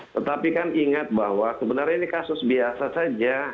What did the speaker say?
tetapi kan ingat bahwa sebenarnya ini kasus biasa saja